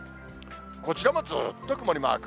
こちらもずっと曇りマーク。